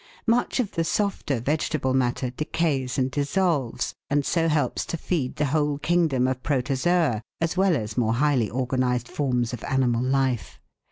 Much of the softer vegetable matter decays and dissolves and so helps to feed the whole kingdom of Protozoa as well as more highly organised forms of animal life.